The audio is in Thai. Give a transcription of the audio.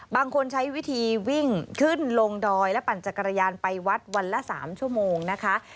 บางคนใช้วิธีวิ่งขึ้นลงดอยและปั่นจักรยานไปวัดวันละ๓ชั่วโมงนะคะ